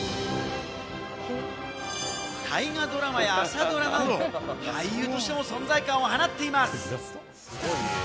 大河ドラマや朝ドラなど、俳優としても存在感を放っています。